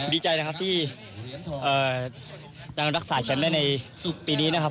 ดีใจนะครับที่ยังรักษาแชมป์ได้ในปีนี้นะครับ